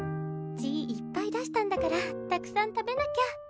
血いっぱい出したんだからたくさん食べなきゃ。